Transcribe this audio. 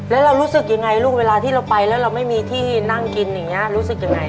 แล้วเรารู้สึกยังไงลูกเวลาที่เราไปแล้วเราไม่มีที่นั่งกินอย่างนี้รู้สึกยังไง